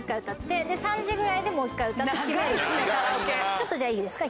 ちょっとじゃあいいですか？